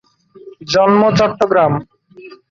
জন্ম: চট্টগ্রাম।